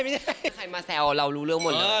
ถ้าใครมาแซวเรารู้เรื่องหมดเลย